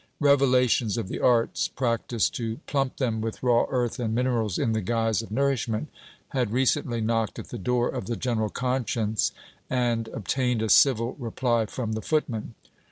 Revelations of the arts practised to plump them with raw earth and minerals in the guise of nourishment, had recently knocked at the door of the general conscience and obtained a civil reply from the footman.